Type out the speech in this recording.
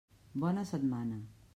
Bona setmana.